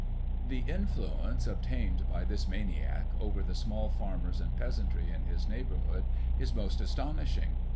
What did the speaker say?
The influence obtained, by this maniac, over the small farmers and peasantry in his neighbourhood, is most astonish ing.